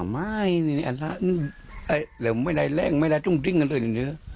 ไม่ไม่ไม่ใดแรงไม่ใดจุ๊งจริงอะไรอยู่เงี้ย